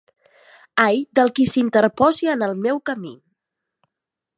Ai del qui s'interposi en el meu camí!